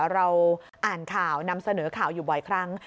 เราอ่านข่าวนำเสนอข่าวอยู่บ่อยครั้ง